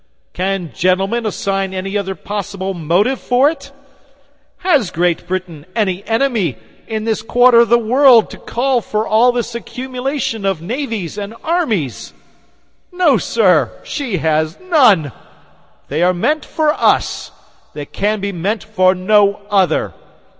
Can gentlemen assign any other possible motive for it? Has Great Britain any enemy, in this quarter of the world, to call for all this accumulation of navies and armies? No, sir, she has none. They are meant for us: they can be meant for no other.